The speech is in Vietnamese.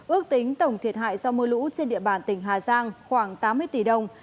ước tính tổng thiệt hại do mưa lũ trên địa bàn tỉnh hà giang khoảng tám mươi tỷ đồng